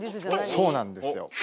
そうなんですよ。